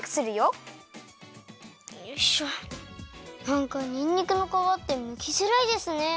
なんかにんにくのかわってむきづらいですね。